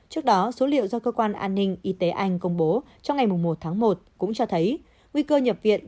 trước đó số liệu do cơ quan an ninh y tế anh công bố trong ngày một tháng một cũng cho thấy nguy cơ nhập viện